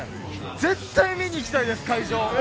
絶対に見に行きたいです会場。